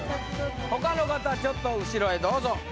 他のかたはちょっと後ろへどうぞ。